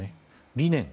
理念。